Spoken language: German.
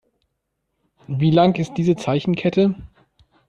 Wie lang ist diese Zeichenkette?